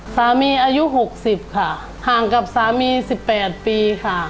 อายุ๖๐ค่ะห่างกับสามี๑๘ปีค่ะ